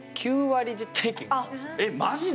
９割。